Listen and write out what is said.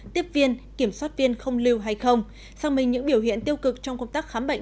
tiếp viên kiểm soát viên không lưu hay không xác minh những biểu hiện tiêu cực trong công tác khám bệnh